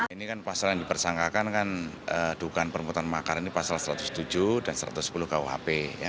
ini kan pasal yang dipersangkakan kan dugaan permukaan makar ini pasal satu ratus tujuh dan satu ratus sepuluh kuhp